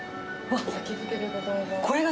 先付でございます。